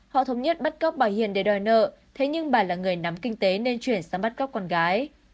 họ thống nhất bắt góc bà hiền để đòi nợ thế nhưng bà là người nắm kinh tế nên chuyển sang bắt góc con gái